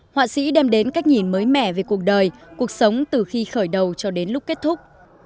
họa sĩ đem đến cách nhìn mới mẻ về cuộc đời cuộc sống từ khi khởi đầu cho đến lúc kết thúc